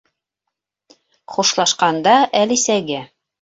Хушлашҡанда Әлисәгә: